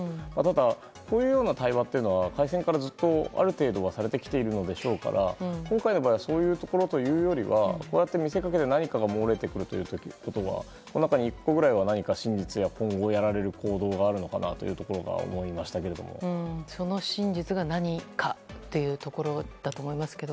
でも、こういうような対話は開戦からずっと、ある程度はされてきているのでしょうから今回の場合はそういうところというより何かが漏れてくるということはこの中に１個ぐらいは何か真実や今後を思いやられる行動があるのかなとその真実が何かというところだと思いますが。